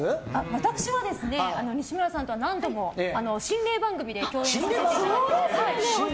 私は西村さんとは何度も心霊番組で共演させていただいて。